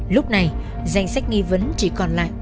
lúc này danh sách nghi vấn chỉ còn lại